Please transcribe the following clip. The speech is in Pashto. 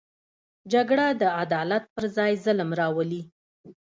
جګړه د عدالت پر ځای ظلم راولي